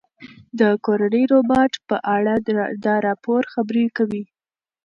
د کورني روباټ په اړه دا راپور خبرې کوي.